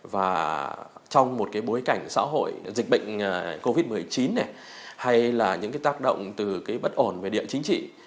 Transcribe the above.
và trong một bối cảnh xã hội dịch bệnh covid một mươi chín hay là những tác động từ bất ổn về địa chính trị